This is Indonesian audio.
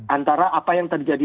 antara apa yang terjadi